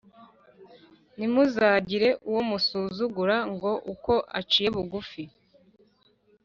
ntimuzagire uwo musuzugura ngo ni uko aciye bugufi.